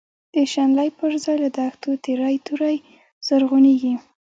د شنلی پر ځای له دښتو، تیری توری زرغونیږی